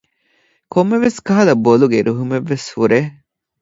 ކޮންމެވެސް ކަހަލަ ބޮލުގެ ރިހުމެއްވެސް ހުރޭ